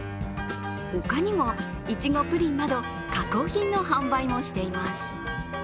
他にもいちごプリンなど加工品の販売もしています。